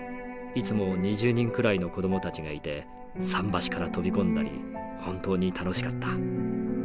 いつも２０人くらいの子どもたちがいて桟橋から飛び込んだり本当に楽しかった。